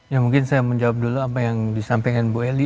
ya mungkin saya menjawab dulu apa yang disampaikan bu eli